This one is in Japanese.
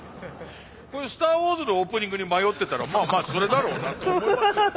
これ「スター・ウォーズ」のオープニングに迷ってたらまあまあそれだろうなと思いますよ。